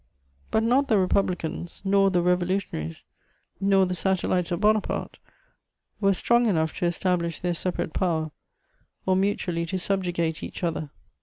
But not the Republicans, nor the Revolutionaries, nor the satellites of Bonaparte were strong enough to establish their separate power, or mutually to subjugate each other.